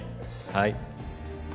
はい。